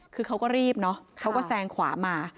คือเขาก็รีบเนอะเขาก็แซงขวามา